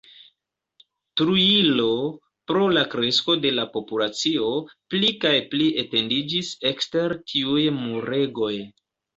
Trujillo, pro la kresko de la populacio, pli kaj pli etendiĝis ekster tiuj muregoj.